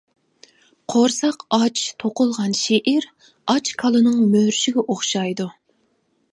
قۇرساق ئاچ توقۇلغان شېئىر ئاچ كالىنىڭ مۆرىشىگە ئوخشايدۇ.